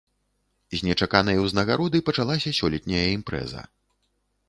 З нечаканай узнагароды пачалася сёлетняя імпрэза.